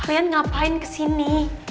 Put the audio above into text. kalian ngapain kesini